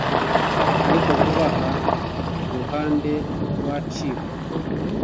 Ariko vuba aha kuruhande rwaciwe